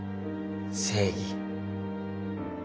正義。